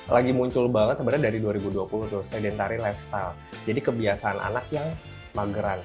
lagi muncul banget sebenarnya dari dua ribu dua puluh tuh saya dentari lifestyle jadi kebiasaan anak yang mageran